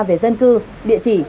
về dân cư địa chỉ